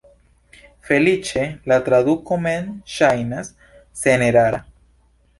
Feliĉe, la traduko mem ŝajnas senerara.